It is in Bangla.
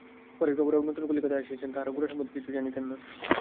পরেশবাবুরা নূতন কলিকাতায় আসিয়াছেন, তাঁহারা গোরা সম্বন্ধে কিছুই জানিতেন না।